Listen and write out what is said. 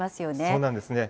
そうなんですよね。